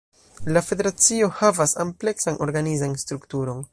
La federacio havas ampleksan organizan strukturon.